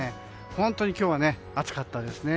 本当に今日は暑かったですね。